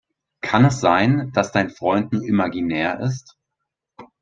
Kann es sein, dass dein Freund nur imaginär ist?